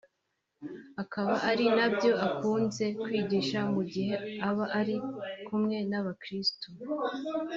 akaba ari na byo akunze kwigisha mu gihe aba ari kumwe n’abakristu